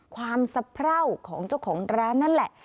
ความสะเพราของเจ้าของร้านนั่นแหละ